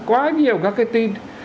quá nhiều các cái tin